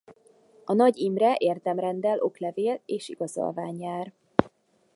A Nagy Imre-érdemrenddel oklevél és igazolvány jár.